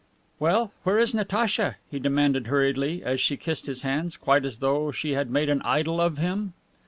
"Well, where is Natacha?" he demanded hurriedly as she kissed his hands quite as though she had made an idol of him.